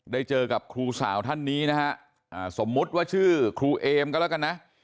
ได้เจอกับครูสาวท่านนี้นะฮะสมมุติว่าชื่อครูเอมก็แล้วกันนะ